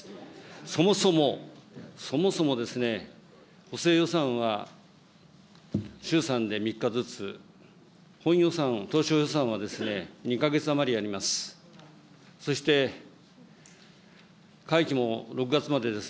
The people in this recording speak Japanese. そもそも、そもそもですね、補正予算は衆参で３日ずつ、本予算、当初予算は２か月あまりあります。